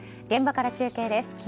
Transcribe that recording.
現場から中継です。